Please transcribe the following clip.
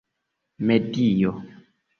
medio